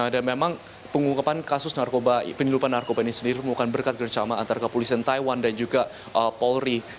dan memang pengungkapan kasus penilupan narkoba ini sendiri bukan berkat gerama antara kepolisian taiwan dan juga polri